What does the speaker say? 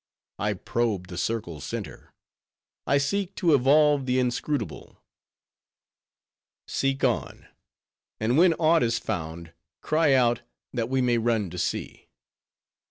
I probe the circle's center; I seek to evolve the inscrutable." "Seek on; and when aught is found, cry out, that we may run to see."